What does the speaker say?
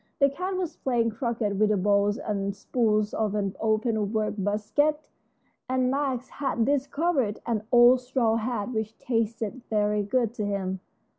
The cat was playing croquet with the balls and spools of an open work basket, and Max had discovered an old straw hat which tasted very good to him.